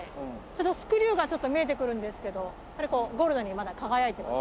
スクリューがちょっと見えてくるんですけどゴールドにまだ輝いています。